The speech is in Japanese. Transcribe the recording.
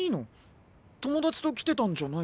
友達と来てたんじゃないの？